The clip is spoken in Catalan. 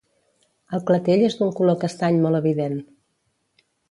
El clatell és d'un color castany molt evident.